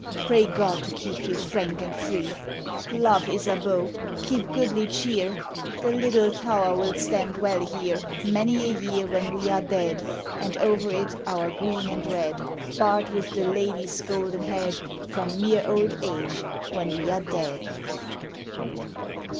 Pray God to keep you frank and free. Love Isabeau, keep goodly cheer; The Little Tower will stand well here Many a year when we are dead, And over it our green and red, Barred with the Lady's golden head, From mere old age when we are dead.